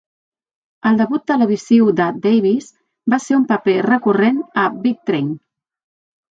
El debut televisiu de Davis va ser un paper recurrent a "Big Train".